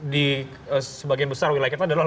di sebagian besar wilayah kita adalah